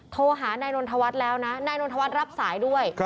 โทรหานายนนทวัฒน์แล้วนะนายนนทวัฒน์รับสายด้วย